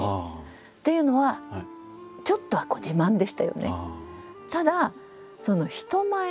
っていうのはちょっとは自慢でしたよね。